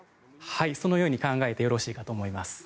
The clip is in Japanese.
そのように考えてよろしいかと思います。